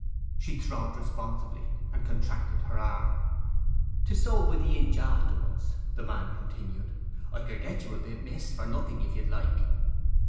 She throbbed responsively, and contracted her arm. ''Tis sold by the inch afterwards,' the man continued. 'I could get you a bit, miss, for nothing, if you'd like?